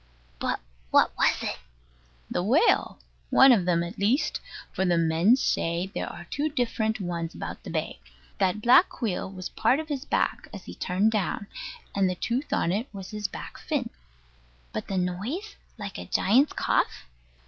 But what was it? The whale: one of them, at least; for the men say there are two different ones about the bay. That black wheel was part of his back, as he turned down; and the tooth on it was his back fin. But the noise, like a giant's cough?